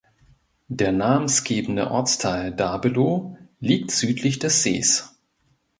Der namensgebende Ortsteil Dabelow liegt südlich des Sees.